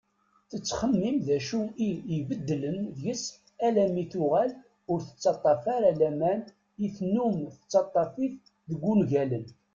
Tettxemmim d acu i ibeddlen deg-s alammi tuɣal ur tettaf ara laman i tennum tettaf-it deg ungalen.